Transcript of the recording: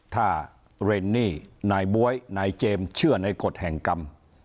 ถ้าเรนนี่นายบ๊วยนายเจมส์เชื่อในกฎแห่งกรรม